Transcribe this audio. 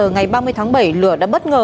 ngày ba mươi tháng bảy lửa đã bất ngờ